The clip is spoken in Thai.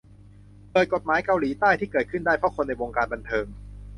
เปิดกฎหมายเกาหลีใต้ ที่เกิดขึ้นได้เพราะคนในวงการบันเทิง